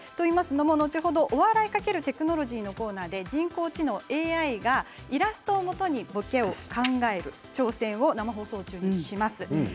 後ほど、お笑い×テクノロジーのコーナーで人工知能・ＡＩがイラストをもとに、ぼけを考える挑戦を生放送中にします。